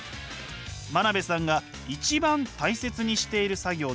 真鍋さんが一番大切にしている作業です。